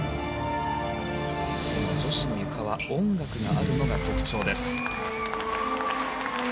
女子のゆかは音楽があるのが特徴です。